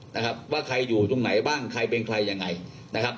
นะครับว่าใครอยู่ตรงไหนบ้างใครเป็นใครยังไงนะครับ